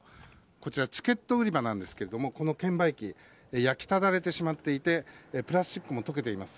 こちらチケット売り場なんですがこの券売機焼きただれてしまっていてプラスチックも溶けています。